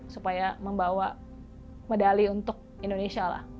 supaya membawa medali untuk indonesia lah